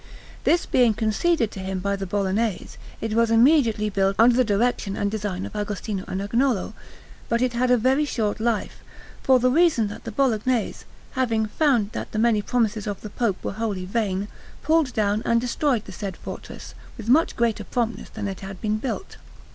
This being conceded to him by the Bolognese, it was immediately built under the direction and design of Agostino and Agnolo, but it had a very short life, for the reason that the Bolognese, having found that the many promises of the Pope were wholly vain, pulled down and destroyed the said fortress, with much greater promptness than it had been built.